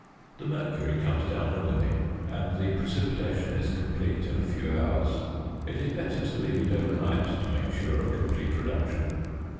The mercury comes down readily, and the precipitation is complete in a few hours: it is better to leave it overnight to make sure of complete reduction.